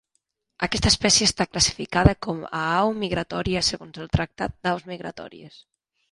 Aquesta espècie està classificada com a au migratòria segons el Tractat d'Aus Migratòries.